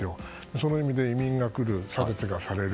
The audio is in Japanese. その意味で移民が来る、差別がされる。